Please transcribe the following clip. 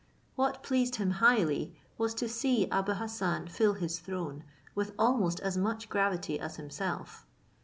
What pleased him highly, was to see Abou Hassan fill his throne with almost as much gravity as himself.